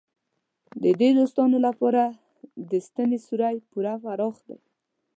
د دوو دوستانو لپاره د ستنې سوری پوره پراخ دی.